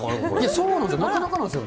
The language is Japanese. そうなんですよ。